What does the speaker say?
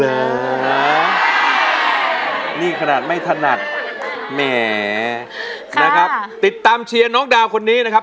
โอ้โหนี่ขนาดไม่ถนัดแหมนะครับติดตามเชียร์น้องดาวคนนี้นะครับ